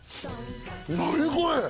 何これ！